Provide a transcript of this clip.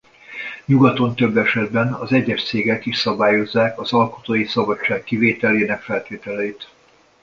Nyugaton több esetben az egyes cégek is szabályozzák az alkotói szabadság kivételének feltételeit.